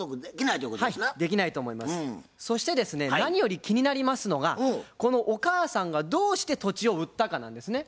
そしてですね何より気になりますのがこのお母さんがどうして土地を売ったかなんですね。